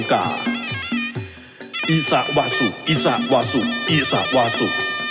ต้มกาอีสาวาสุอีสาวาสุอีสาวาสุ